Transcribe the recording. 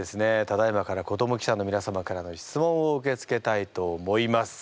ただいまから子ども記者のみな様からの質問を受け付けたいと思います。